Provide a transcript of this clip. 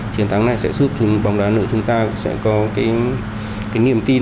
chiến thắng này sẽ giúp chúng bóng đá nữ chúng ta sẽ có cái niềm tin